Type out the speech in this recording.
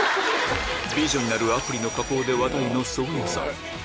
・美女になるアプリの加工で話題の宗谷さん